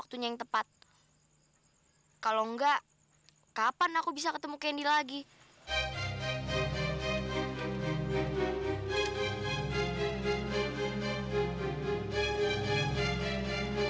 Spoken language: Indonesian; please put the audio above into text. kenapa selalu kamu bela gini ya